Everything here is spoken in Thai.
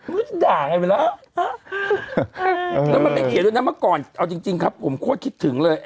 มันมันอื่นมันมีเกลียดเมื่อก่อนจริงแบบบุ่มโครตคิดถึงเลย